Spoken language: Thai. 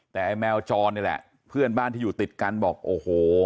แต่ไอ้แมวจรนี่แหละเพื่อนบ้านที่อยู่ติดกันบอกโอ้โห